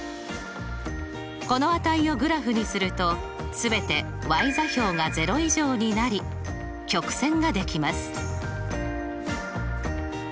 この値をグラフにすると全て座標が０以上になり曲線ができます。